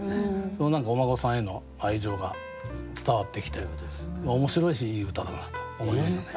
その何かお孫さんへの愛情が伝わってきて面白いしいい歌だなと思いましたね。